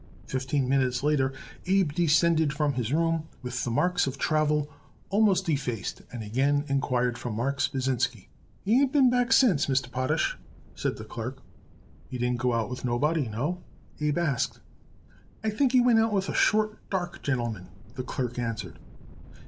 Fifteen minutes later Abe descended from his room with the marks of travel almost effaced, and again inquired for Marks Pasinsky. "He ain't been back since, Mr. Potash," said the clerk. "He didn't go out with nobody. No?" Abe asked. "I think he went out with a short, dark gentleman," the clerk answered.